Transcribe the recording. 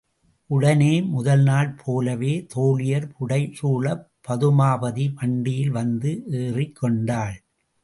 உடனே முதல் நாள் போலவே தோழியர் புடைசூழப் பதுமாபதி வண்டியில் வந்து ஏறிக் கொண்டாள்.